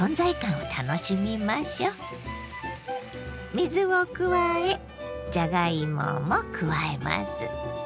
水を加えじゃがいもも加えます。